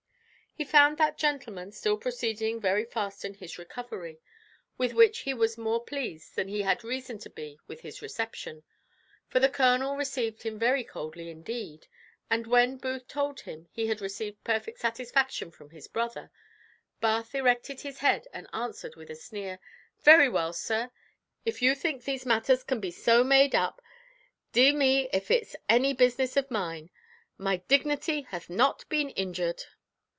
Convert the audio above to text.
He found that gentleman still proceeding very fast in his recovery, with which he was more pleased than he had reason to be with his reception; for the colonel received him very coldly indeed, and, when Booth told him he had received perfect satisfaction from his brother, Bath erected his head and answered with a sneer, "Very well, sir, if you think these matters can be so made up, d n me if it is any business of mine. My dignity hath not been injured."